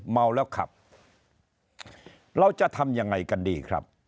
เมาแล้วขับเราจะทำยังไงกันดีครับ